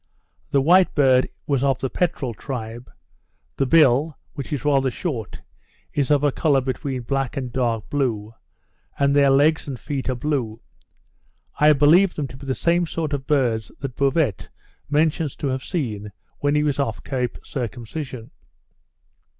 The white bird was of the peterel tribe; the bill, which is rather short, is of a colour between black and dark blue, and their legs and feet are blue. I believe them to be the same sort of birds that Bouvet mentions to have seen when he was off Cape Circumcision.